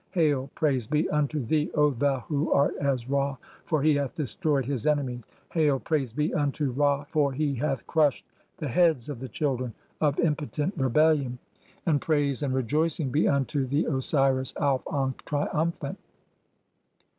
Hail, praise be unto thee, "O thou who art as Ra, for [he] hath destroyed his enemies. "Hail, praise be unto Ra, for he hath crushed the heads of the "children (11) of impotent rebellion. And praise and rejoicing "be unto the Osiris Auf ankh, triumphant."